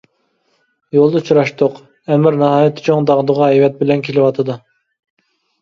يولدا ئۇچراشتۇق، ئەمىر ناھايىتى چوڭ داغدۇغا ھەيۋەت بىلەن كېلىۋاتىدۇ.